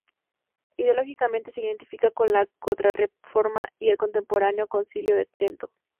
Ideológicamente, se identifica con la Contrarreforma y el contemporáneo Concilio de Trento.